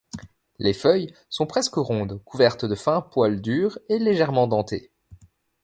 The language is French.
Les feuilles sont presque rondes, couvertes de fins poils durs, et légèrement dentées.